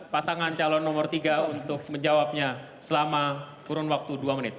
pasangan calon nomor tiga untuk menjawabnya selama kurun waktu dua menit